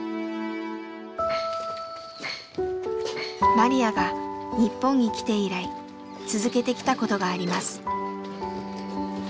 マリヤが日本に来て以来続けてきたことがあります。